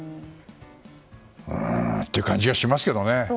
うーんという感じがしますけど。